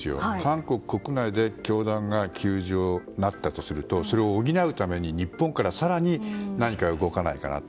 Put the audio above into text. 韓国国内で教団が窮状になったとするとそれを補うために日本から更に何か動かないかなと。